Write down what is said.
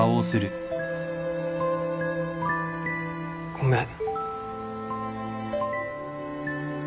ごめん。